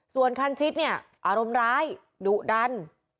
ส่วนคันชิดเนี่ยอารมณ์ร้ายดุดัน